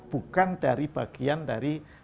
bukan dari bagian dari